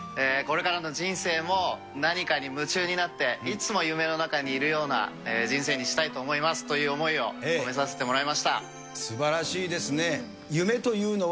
これからの人生も、何かに夢中になって、いつも夢の中にいるような人生にしたいと思います、という思いをすばらしいですね。